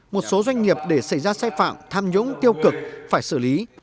một số doanh nghiệp để xảy ra sai phạm tham nhũng tiêu cực phải xử lý